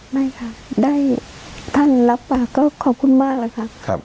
ไม่ครับได้ท่านรับปาก็ขอบคุณมากเลยครับครับ